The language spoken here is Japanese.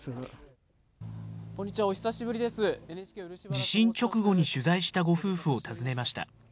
地震直後に取材したご夫婦を訪ねました。